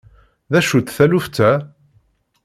D acu-tt taluft-a?